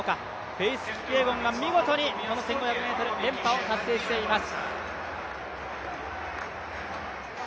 フェイス・キピエゴンが１５００ｍ、連覇達成しています。